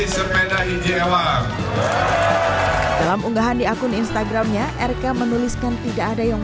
sepeda idewa dalam unggahan di akun instagramnya rk menuliskan tidak ada yang